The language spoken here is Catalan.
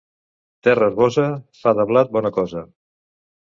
Terra herbosa fa de blat bona cosa.